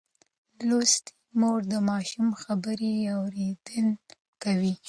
لوستې مور د ماشوم خبرې اورېدلي کوي.